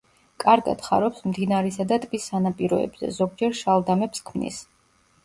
კარგად ხარობს მდინარისა და ტბის სანაპიროებზე, ზოგჯერ შალდამებს ქმნის.